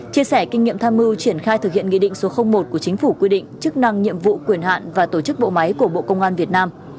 chia sẻ kinh nghiệm tham mưu triển khai thực hiện nghị định số một của chính phủ quy định chức năng nhiệm vụ quyền hạn và tổ chức bộ máy của bộ công an việt nam